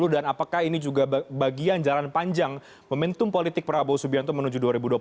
dan apakah ini juga bagian jalan panjang momentum politik prabowo subianto menuju dua ribu dua puluh empat